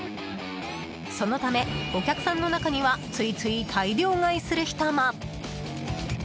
そのため、お客さんの中にはついつい大量買いする人も。